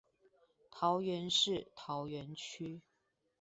桃園市桃園區